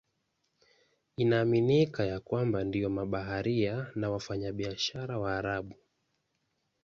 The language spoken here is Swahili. Inaaminika ya kwamba ndio mabaharia na wafanyabiashara Waarabu.